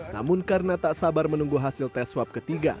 namun karena tak sabar menunggu hasil tes swab ketiga